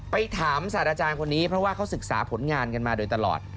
ไปถามศาสตราอาจารย์คนนี้เพราะว่าเขาศึกษาผลงานกันมาโดยตลอด